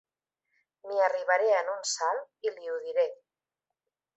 M'hi arribaré en un salt i li ho diré.